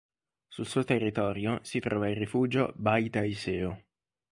Sul suo territorio si trova il Rifugio Baita Iseo.